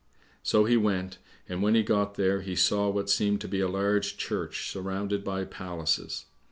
So he went, and when he got there, he saw what seemed to be a large church surrounded by palaces.